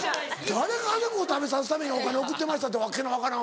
誰が家族を食べさすためにお金送ってましたって訳の分からん